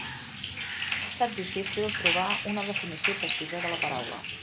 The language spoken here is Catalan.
Ha estat difícil trobar una definició precisa de la paraula.